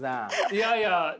いやいや。